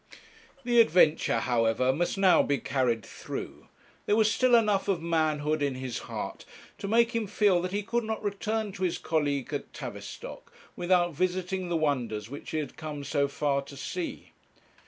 The adventure, however, must now be carried through. There was still enough of manhood in his heart to make him feel that he could not return to his colleague at Tavistock without visiting the wonders which he had come so far to see.